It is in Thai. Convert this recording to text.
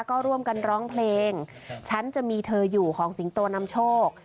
ก็ร่วมกันร้องเพลงฉันจะมีเธออยู่ของสิงโตนำโชค